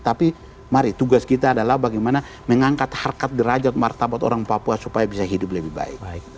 tapi mari tugas kita adalah bagaimana mengangkat harkat derajat martabat orang papua supaya bisa hidup lebih baik